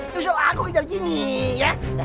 justru aku kejar gini ya